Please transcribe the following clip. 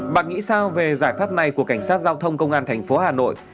bạn nghĩ sao về giải pháp này của cảnh sát giao thông công an tp hà nội